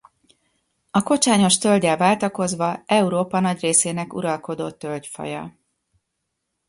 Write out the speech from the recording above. A kocsányos tölggyel váltakozva Európa nagy részének uralkodó tölgyfaja.